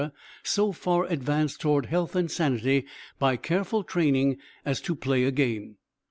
so far advanced toward health and sanity by careful training as to play a game.